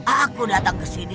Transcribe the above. aku datang kesini